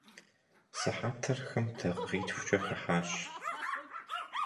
Сыхьэтыр хым дакъикъитхукӏэ хыхьащ.